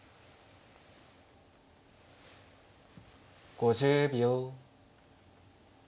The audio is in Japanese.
５０秒。